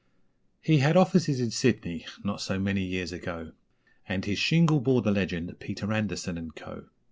He had offices in Sydney, not so many years ago, And his shingle bore the legend 'Peter Anderson and Co.'